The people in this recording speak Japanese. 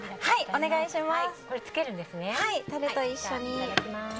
お願いします。